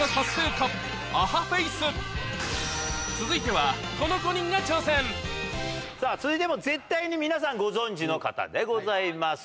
続いてはこの５人が挑戦続いても絶対に皆さんご存じの方でございます。